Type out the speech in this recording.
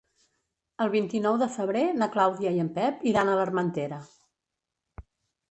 El vint-i-nou de febrer na Clàudia i en Pep iran a l'Armentera.